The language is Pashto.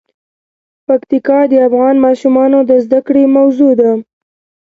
پکتیکا د افغان ماشومانو د زده کړې موضوع ده.